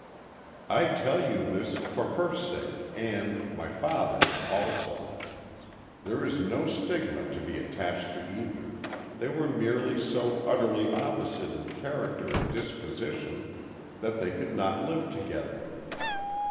"I tell you this, for her sake and—my father's also. There is no stigma to be attached to either, they were merely so utterly opposite in character and disposition that they could not live together.